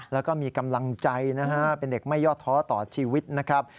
แล้วก็มีกำลังใจนะฮะเป็นเด็กไม่ยอดท้อต่อชีวิตนะครับ